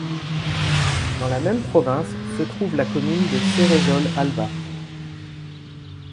Dans la même province se trouve la commune de Ceresole Alba.